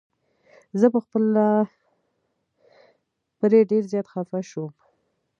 زه په خپله پرې ډير زيات خفه شوم.